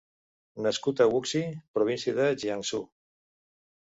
Nascut a Wuxi, província de Jiangsu.